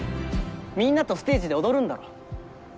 みんなとステージで踊るんだろ？